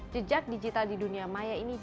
jejak digital di dunia maya ini